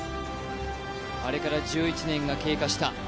あれから１１年が経過した。